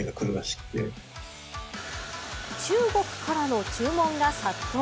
中国からの注文が殺到。